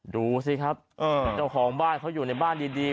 ดูสิครับเจ้าของบ้านเขาอยู่ในบ้านดี